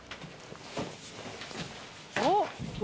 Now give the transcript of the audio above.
「おっ！」